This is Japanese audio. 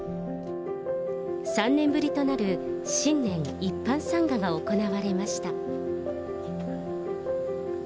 ３年ぶりとなる新年一般参賀が行われました。